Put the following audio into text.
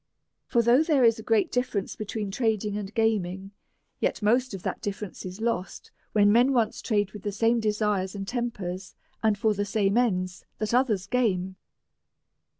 For though there is a great difference between trading and gaming, yet most of that difference is lost when men once trade with the same desires and tempers, and for the same ends that others game.